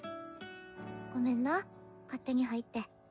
ごめんな勝手に入って。